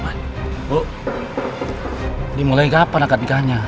ini mulainya kapan angkat nikahannya